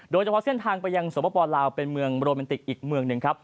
โดยเฉพาะเส้นทางไปยังสวปปลาวเป็นเมืองโรแมนติกอีกเมืองหนึ่งครับ